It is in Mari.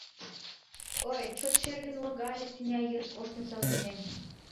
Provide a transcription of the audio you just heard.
Ой, чот шергын логале тӱня йыр коштын савырнымем.